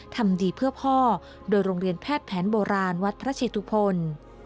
ทำดีเพื่อพ่อโดยโรงเรียนแพทย์แผนโบราณวัดพระเชตุพล